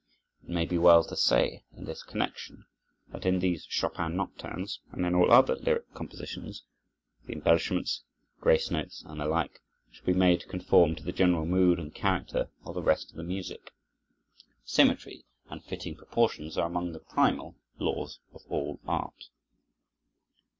It may be well to say, in this connection, that in these Chopin nocturnes, and in all other lyric compositions, the embellishments, grace notes, and the like should be made to conform to the general mood and character of the rest of the music. Symmetry and fitting proportions are among the primal laws of all art.